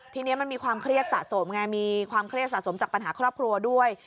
ทีนี้มันมีความเครียดสะสมไงมีความเครียดสะสมจากปัญหาครอบครัวด้วย